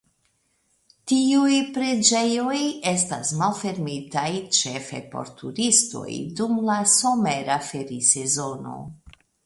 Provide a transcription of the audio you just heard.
Tiuj preĝejoj estas malfermitaj ĉefe por turistoj dum la somera ferisezono.